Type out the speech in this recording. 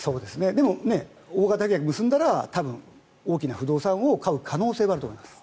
でも、大型契約を結んだら多分、大きな不動産を買う可能性はあると思います。